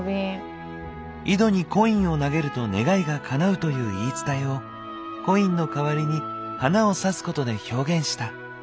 井戸にコインを投げると願いがかなうという言い伝えをコインの代わりに花を挿すことで表現した。